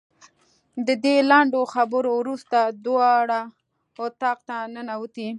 د دې لنډو خبرو وروسته دواړه اتاق ته ننوتې.